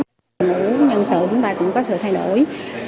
dịch vụ nhân sự chúng ta cũng có sự thay đổi